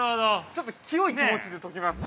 ◆ちょっと清い気持ちで解きます。